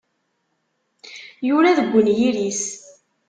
Yura deg unyir-is.